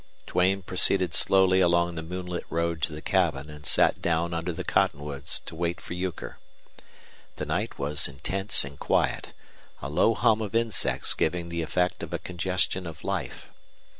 Duane proceeded slowly along the moonlit road to the cabin and sat down under the cottonwoods to wait for Euchre. The night was intense and quiet, a low hum of insects giving the effect of a congestion of life.